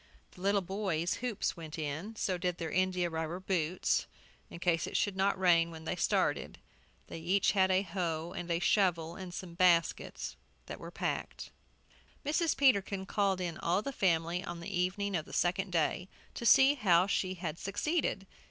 The little boys' hoops went in; so did their india rubber boots, in case it should not rain when they started. They each had a hoe and shovel, and some baskets, that were packed. Mrs. Peterkin called in all the family on the evening of the second day to see how she had succeeded.